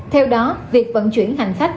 theo đó việc vận chuyển hành khách